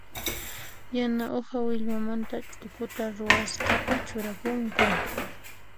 Yana uha willmamanta chukuta ruwasqata churakunku.